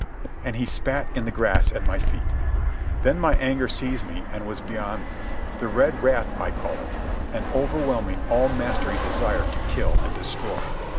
And he spat in the grass at my feet. Then my anger seized me and was beyond me. The red wrath I call it—an overwhelming, all mastering desire to kill and destroy.